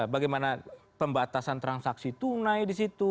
bagaimana pembatasan transaksi tunai di situ